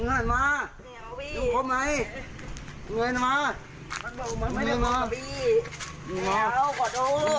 แต่ไม่อยากเล่ามาไอเราขอโทษ